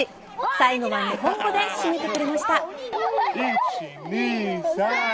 最後は日本語で締めてくれました。